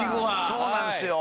そうなんですよ。